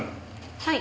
はい。